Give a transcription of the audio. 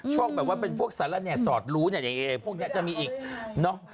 ช่องแบบว่าเป็นพวกสละแน่สอดลู้เนี่ยพวกเนี้ยจะมีอีกเนาะ